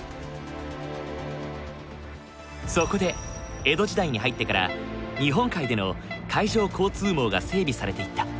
そこで江戸時代に入ってから日本海での海上交通網が整備されていった。